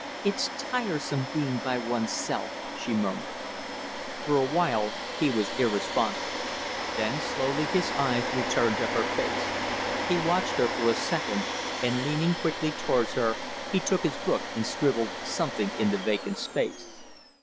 "It's tiresome being by one's self," she murmured. For a while he was irresponsive, then slowly his eyes returned to her face. He watched her for a second, and, leaning quickly towards her, he took his book and scribbled something in the vacant space.